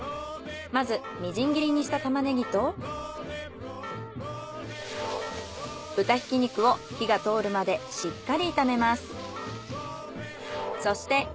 まずみじん切りにしたタマネギと豚ひき肉を火が通るまでしっかり炒めます。